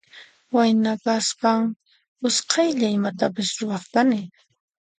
Wayna kaspan usqaylla imatapas ruwaq kani.